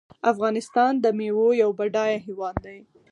افغانستان د میوو یو بډایه هیواد دی.